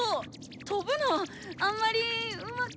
飛ぶのあんまりうまくなくて。